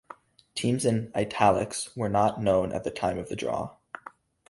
Teams in "Italics" were not known at the time of the draw.